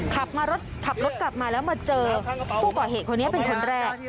ขับรถขับรถกลับมาแล้วมาเจอผู้ก่อเหตุคนนี้เป็นคนแรก